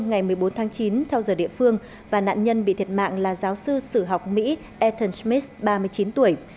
ngày một mươi bốn tháng chín theo giờ địa phương và nạn nhân bị thiệt mạng là giáo sư sử học mỹ ethan smis ba mươi chín tuổi